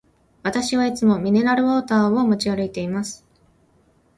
私はいつもミネラルウォーターを持ち歩いています。